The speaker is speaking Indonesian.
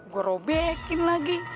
gue robekin lagi